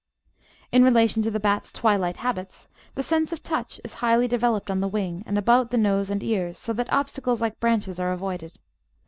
In relation to the bat's twilight habits, the sense of touch is highly developed on the wing, and about the nose and ears, so that obstacles like branches are avoided.